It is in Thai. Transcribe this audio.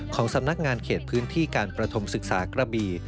สำนักงานเขตพื้นที่การประถมศึกษากระบี